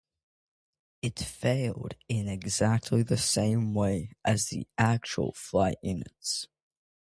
It failed in exactly the same way as the actual flight units.